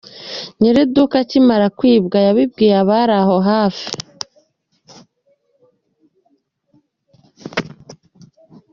Nyir’iduka akimara kwibwa yabibwiye abari aho hafi.